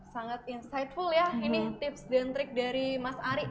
sangat insightful ya ini tips dan trik dari mas ari